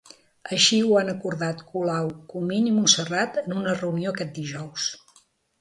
Així ho han acordat Colau, Comín i Montserrat en una reunió aquest dijous.